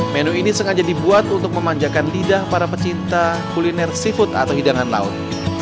menu ini sengaja dibuat untuk memanjakan lidah para pecinta kuliner seafood atau hidangan laut